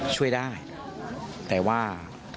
ช่วยได้แต่ว่า